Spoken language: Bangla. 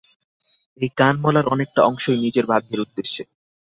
এই কান-মলার অনেকটা অংশই নিজের ভাগ্যের উদ্দেশে।